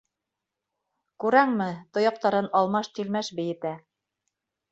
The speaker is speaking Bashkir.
Күрәңме, тояҡтарын алмаш-тилмәш бейетә...